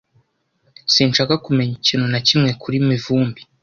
Sinshaka kumenya ikintu na kimwe kuri Mivumbi.